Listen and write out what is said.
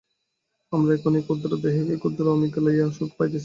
আমরা এখন এই ক্ষুদ্র দেহে এই ক্ষুদ্র আমিকে লইয়া সুখ পাইতেছি।